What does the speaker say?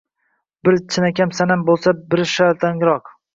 Biri chinakam sanam bo‘lsa, biri satangroq